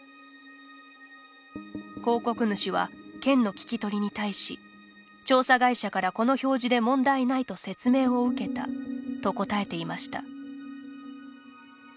広告主は、県の聞き取りに対し「調査会社から、この表示で問題ないと説明を受けた」と答えていました。